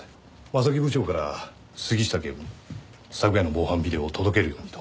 正木部長から杉下警部に昨夜の防犯ビデオを届けるようにと。